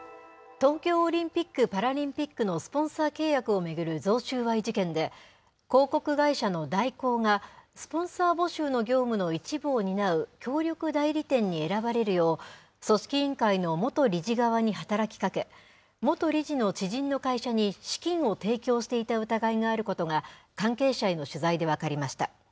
東京オリンピック・パラリンピックのスポンサー契約を巡る贈収賄事件で、広告会社の大広が、スポンサー募集の業務の一部を担う協力代理店に選ばれるよう、組織委員会の元理事側に働きかけ、元理事の知人の会社に資金を提供していた疑いがあることが、関係者への取材で分かりました。